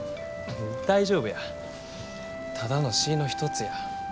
大丈夫やただの詩ぃの一つや。